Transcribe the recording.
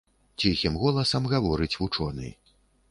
Ціхім голасам гаворыць вучоны.